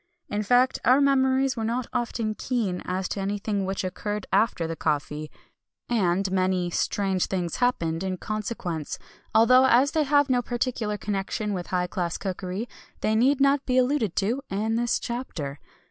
In fact, our memories were not often keen as to anything which occurred after the coffee, and many "strange things happened" in consequence; although as they have no particular connection with high class cookery, they need not be alluded to in this chapter.